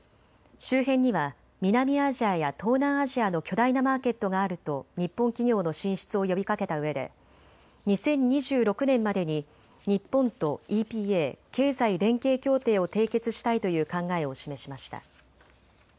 周辺には南アジアや東南アジアの巨大なマーケットがあると日本企業の進出を呼びかけたうえで２０２６年までに日本とＥＰＡ・経済連携協定を締結したいという考えを示しました。